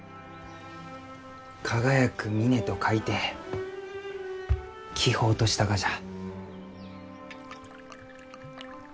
輝く峰と書いて輝峰としたがじゃ。